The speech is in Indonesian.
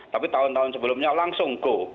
tapi tahun tahun sebelumnya langsung go